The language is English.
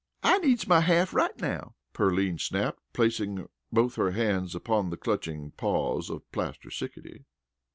"I needs my half right now," Pearline snapped, placing both her hands upon the clutching paws of Plaster Sickety.